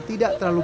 tidak ada batang